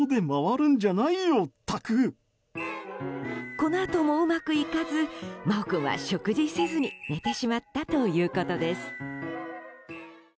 このあとも、うまくいかずまお君は食事せずに寝てしまったということです。